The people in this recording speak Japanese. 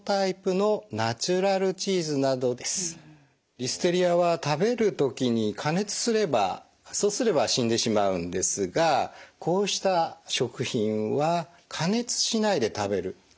リステリアは食べる時に加熱すればそうすれば死んでしまうんですがこうした食品は加熱しないで食べるというところが特徴になっています。